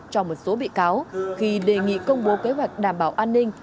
cho một số bị cáo khi đề nghị công bố kế hoạch đảm bảo an ninh